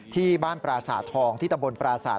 ที่บ้านปราสาททองที่ตำบลปราศาส